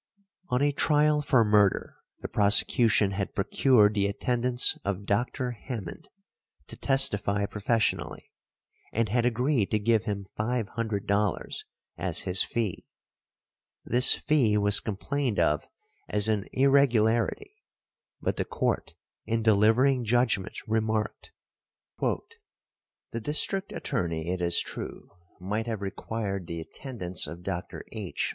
On a trial for murder the prosecution had procured the attendance of Dr. Hammond to testify professionally, and had agreed to give him $500 as his fee. This fee was complained of as an irregularity, but the Court in delivering judgment remarked, "The district attorney, it is true, might have required the attendance of Dr. H.